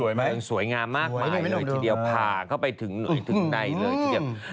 สวยไหมสวยงามมากหมายเลยทีเดียวผ่าก้นไปถึงไหนถึงในเลยทีเดียว